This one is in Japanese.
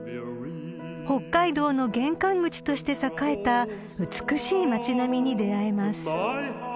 ［北海道の玄関口として栄えた美しい町並みに出合えます］